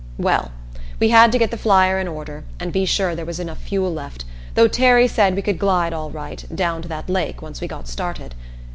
Well we had to get the flyer in order, and be sure there was enough fuel left, though Terry said we could glide all right, down to that lake, once we got started.